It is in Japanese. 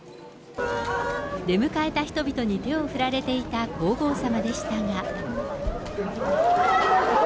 出迎えた人々に手を振られていた皇后さまでしたが。